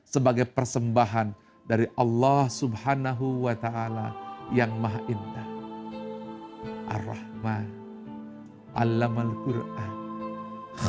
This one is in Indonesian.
sebagai persembahan dari allah swt yang maha indah